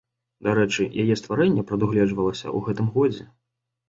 Дарэчы, яе стварэнне прадугледжвалася ў гэтым годзе.